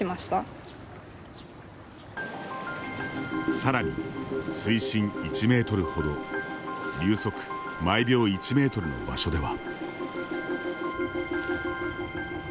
さらに水深１メートルほど流速毎秒１メートルの場所では。